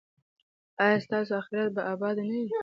ایا ستاسو اخرت به اباد نه وي؟